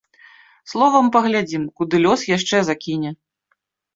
Словам, паглядзім, куды лёс яшчэ закіне!